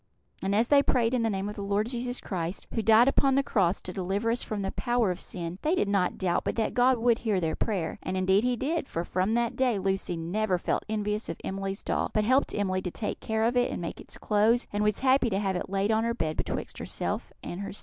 And as they prayed in the name of the Lord Jesus Christ, who died upon the cross to deliver us from the power of sin, they did not doubt but that God would hear their prayer; and indeed He did, for from that day Lucy never felt envious of Emily's doll, but helped Emily to take care of it and make its clothes, and was happy to have it laid on her bed betwixt herself and sister.